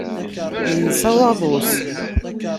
Insa waḍu-s.